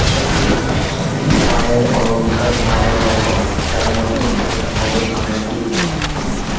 কানের অলংকার নানা রকম যার মধ্যে প্রধান হলো কানের দুল।